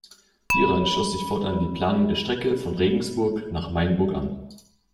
Hieran schloss sich fortan die Planung der Strecke von Regensburg nach Mainburg an.